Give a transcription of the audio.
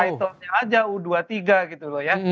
itle nya aja u dua puluh tiga gitu loh ya